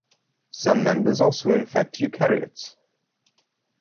Some members also infect eukaryotes.